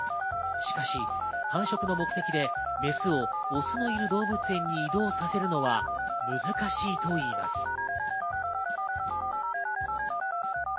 しかし、繁殖の目的でメスをオスのいる動物園に移動させるのは難しいといいます。